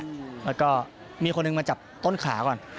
แล้วก็มีคนหนึ่งมาจับต้นขาก่อน